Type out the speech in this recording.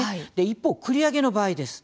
一方、繰り上げの場合です。